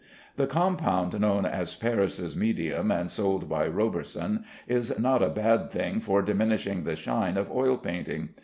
The compound known as Parris' medium and sold by Roberson, is not a bad thing for diminishing the shine of oil painting.